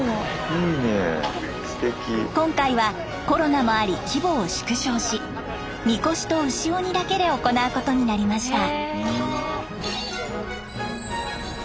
今回はコロナもあり規模を縮小しみこしと牛鬼だけで行うことになりました。